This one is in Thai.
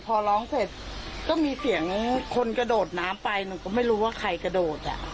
พอร้องเสร็จก็มีเสียงคนกระโดดน้ำไปหนูก็ไม่รู้ว่าใครกระโดดอ่ะ